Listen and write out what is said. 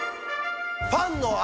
パンの頭。